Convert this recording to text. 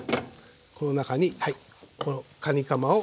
この中にこのかにかまを。